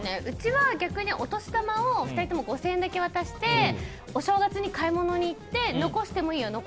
うちは逆にお年玉を２人とも５０００円だけ渡してお正月に買い物に行って残してもいいよ